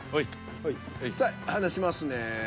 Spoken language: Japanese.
さあ離しますね。